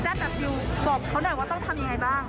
แบบดิวบอกเขาหน่อยว่าต้องทำยังไงบ้าง